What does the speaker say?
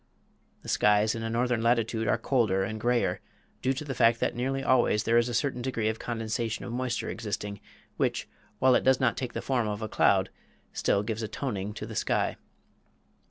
The skies in a northern latitude are colder and grayer, due to the fact that nearly always there is a certain degree of condensation of moisture existing, which, while it does not take the form of a cloud, still gives a toning to the sky.